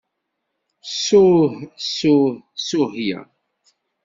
Ssuh, ssuh ssuhya.